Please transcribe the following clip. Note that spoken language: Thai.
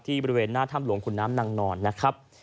บริเวณหน้าถ้ำหลวงขุนน้ำนางนอนนะครับ